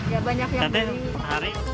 ya banyak yang beli